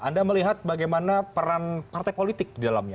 anda melihat bagaimana peran partai politik di dalamnya